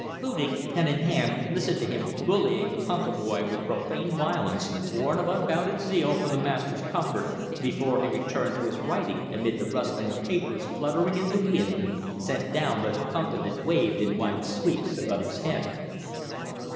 Hudig, pen in hand, listened to him bullying the punkah boy with profane violence, born of unbounded zeal for the master's comfort, before he returned to his writing amid the rustling of papers fluttering in the wind sent down by the punkah that waved in wide sweeps above his head.